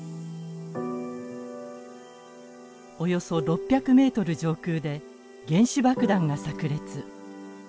およそ６００ｍ上空で原子爆弾がさく裂。